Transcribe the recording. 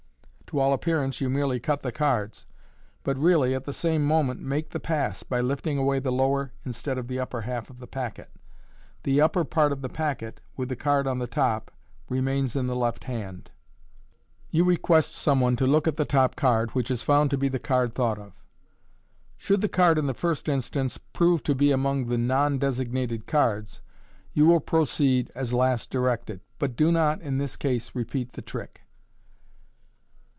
To all appearance you merely cut the cards, but really at the same moment make the pass (by lifting away the lower instead of the upper half of the packet). The upper part of the packet, with the card on the top, remains in the left hand. You request no MODERN MAGIC. some one to look at the top card, which is found to be the card thought of. Should the card in the first instance prove to be among the now designated cards, you will proceed as last directed ; but do not in this case repeat the trick.